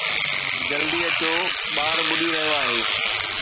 جلدي اچو؛ ٻار ٻڏي رهيو آهي